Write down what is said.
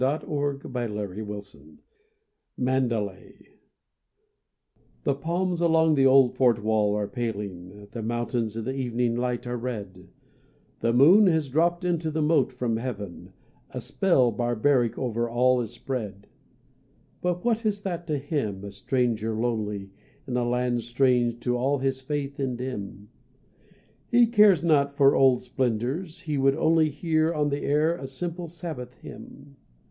THE CHRISTIAN IN EXILE (Mandalay) The palms along the old fort wall are paling, The mountains in the evening light are red, The moon has dropped into the moat from heaven, A spell barbaric over all is spread. But what is that to him, a stranger lonely, In a land strange to all his faith and dim? He cares not for old splendours, he would only Hear on the air a simple Sabbath hymn.